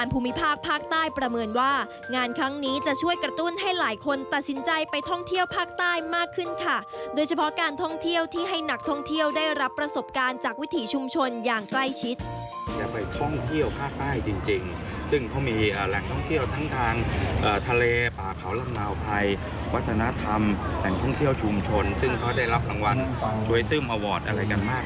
ผู้อำนวยการภูมิภาคภาคใต้ประเมินว่า